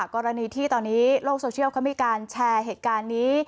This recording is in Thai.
กรณีที่ตอนนี้โลกโซเชียลเขามีการแชร์เหตุการณ์นี้